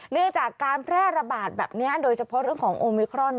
เรื่องจากการแพร่ระบาดแบบนี้โดยเฉพาะเรื่องของโอมิครอน